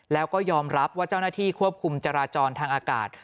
แล้วก็ยอมรับว่าเจ้าหน้าที่ควบคุมจราจรทางอากาศ